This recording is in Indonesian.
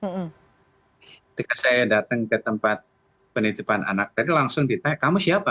ketika saya datang ke tempat penitipan anak tadi langsung ditanya kamu siapa